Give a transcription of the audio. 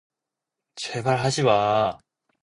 제발 하지 마.